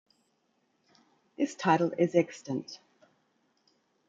This title is extant.